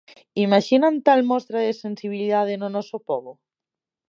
Imaxinan tal mostra de sensibilidade no noso pobo?